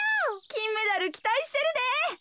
きんメダルきたいしてるで。